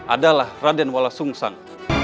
adalah raden wala sung sang